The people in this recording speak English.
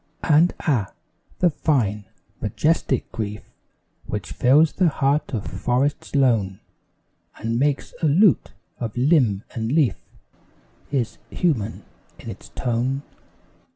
And ah! the fine, majestic grief Which fills the heart of forests lone, And makes a lute of limb and leaf Is human in its tone.